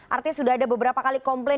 artinya sudah ada beberapa kali komplain